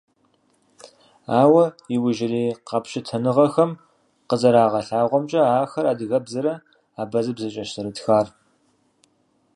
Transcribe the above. Ауэ иужьрей къэпщытэныгъэхэм къызэрагъэлъэгъуамкӀэ, ахэр адыгэбзэрэ абазэбзэкӀэщ зэрытхар.